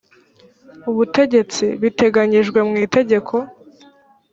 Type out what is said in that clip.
ubutegetsi biteganyijwe mu itegeko